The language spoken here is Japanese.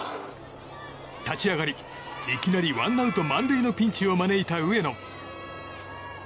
立ち上がりいきなりワンアウト満塁のピンチを招いた上野。